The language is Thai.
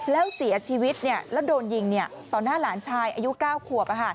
แล้วเสียชีวิตแล้วโดนยิงต่อหน้าหลานชายอายุ๙ขวบ